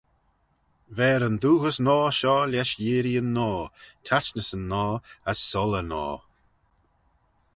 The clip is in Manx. Ver yn dooghys noa shoh lesh yeearreeyn noa, taitnyssyn noa, as soylley noa.